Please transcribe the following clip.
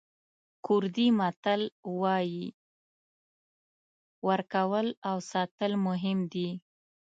کوردي متل وایي ورکول او ساتل مهم دي.